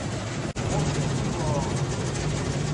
我唔知喎